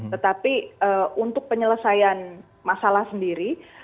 tetapi untuk penyelesaian masalah sendiri